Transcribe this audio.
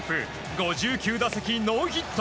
５９打席ノーヒット。